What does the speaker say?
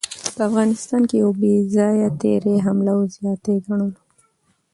په افغانستان يو بې ځايه تېرے، حمله او زياتے ګڼلو